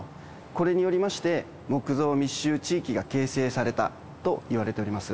これによりまして、木造密集地域が形成されたといわれております。